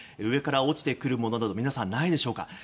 上から落ちてくるものなど皆さん、ないでしょうか。